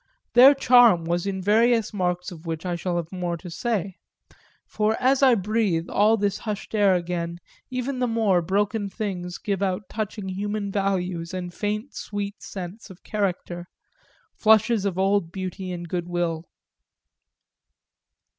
Their charm was in various marks of which I shall have more to say for as I breathe all this hushed air again even the more broken things give out touching human values and faint sweet scents of character, flushes of old beauty and good will.